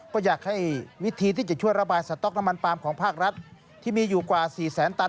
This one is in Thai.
ก็อยากให้วิธีที่จะช่วยระบายสต๊อกน้ำมันปาล์มของภาครัฐที่มีอยู่กว่า๔แสนตัน